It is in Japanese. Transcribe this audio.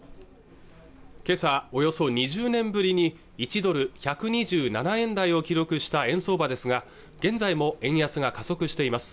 今朝およそ２０年ぶりに１ドル＝１２７円台を記録した円相場ですが現在も円安が加速しています